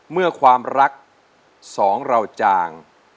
เมื่อความรักสองเราจาง